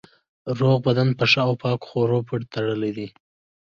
روغ بدن په ښه او پاکو خوړو پورې تړلی دی.